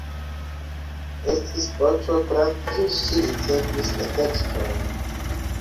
Estis "Voĉo", tra kiu ŝi ricevis la tekstojn.